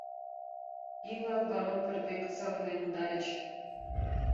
Пий-влак барон пӧрт век савырнен кудальыч.